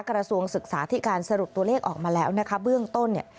กระทรวงศึกษาที่การสรุปตัวเลขออกมาแล้วนะคะเบื้องต้นเนี่ย